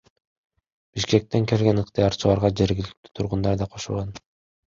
Бишкектен келген ыктыярчыларга жергиликтүү тургундар да кошулган.